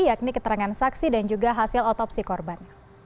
yakni keterangan saksi dan juga hasil otopsi korban